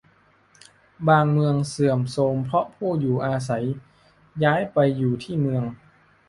บางเมืองเสื่อมโทรมเพราะผู้อยู่อาศัยย้ายไปอยู่ที่เมือง